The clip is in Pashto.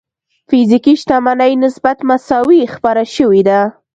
فزيکي شتمنۍ نسبت مساوي خپره شوې ده.